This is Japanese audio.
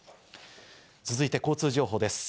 続いて交通情報です。